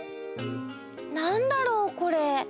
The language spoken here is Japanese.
なんだろうこれ？